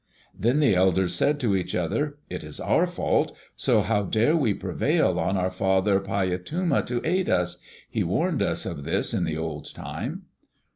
Then the elders said to each other, "It is our fault, so how dare we prevail on our father Paiyatuma to aid us? He warned us of this in the old time."